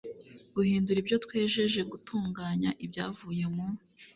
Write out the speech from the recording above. guhindura ibyo twejeje gutunganya ibyavuye mu